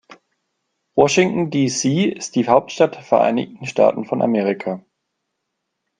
Washington, D.C. ist die Hauptstadt der Vereinigten Staaten von Amerika.